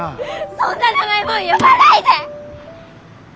そんな名前もう呼ばないで！